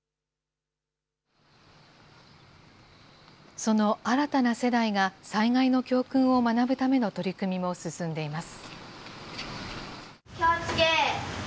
その新たな世代が、災害の教訓を学ぶための取り組みも進んでいます。